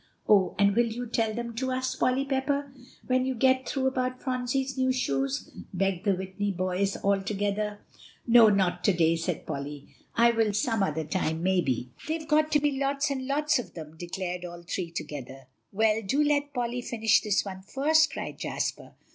"Oh! will you tell them to us, Polly Pepper, when you get through about Phronsie's new shoes?" begged the Whitney boys all together. "Oh! not to day," said Polly. "I will some other time, maybe." "They've got to be lots and lots of them," declared all three together. "Well, do let Polly finish this one first," cried Jasper.